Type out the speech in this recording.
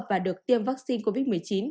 và được tiêm vaccine